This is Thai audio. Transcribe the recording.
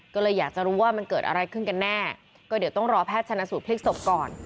ก็เลยอยากจะรู้ว่ามันเกิดอะไรขึ้นกันแน่ก็เดี๋ยวต้องรอแพทย์ชนะสูตรพลิกศพก่อน